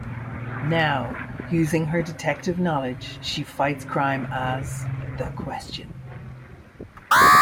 Now, using her detective knowledge, she fights crime as "The Question".